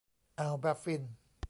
อ่าวแบฟฟิน